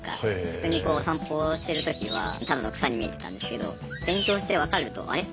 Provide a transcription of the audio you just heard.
普通に散歩してる時はただの草に見えてたんですけど勉強して分かるとあれ？